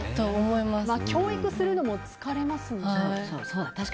教育するのも疲れますよね。